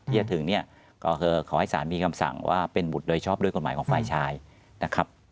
ที่จะถึงเนี่ยก็คือขอให้สารมีคำสั่งว่าเป็นบุตรโดยชอบด้วยกฎหมายของฝ่ายชายนะครับ